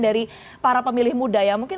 dari para pemilih muda ya mungkin